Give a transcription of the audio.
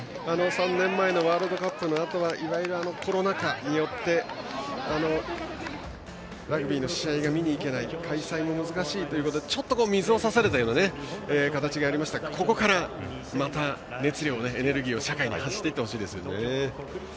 ３年前のワールドカップのあとはいわゆるコロナ禍によってラグビーの試合が見に行けない開催も難しいということでちょっと水を指されたような形になりましたがここからまた熱量、エネルギーを発していってほしいですね。